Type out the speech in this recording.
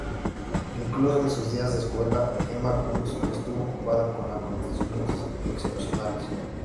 Incluso en sus días de escuela, Emma Kunz estuvo ocupada con acontecimientos excepcionales.